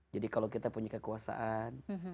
jadi kalau kita punya kekuasaan